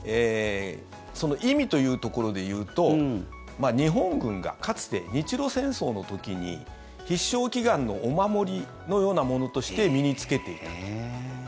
その意味というところでいうと日本軍が、かつて日露戦争の時に必勝祈願のお守りのようなものとして身に着けていたと。